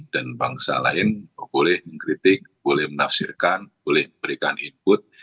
dan bangsa lain boleh mengkritik boleh menafsirkan boleh memberikan input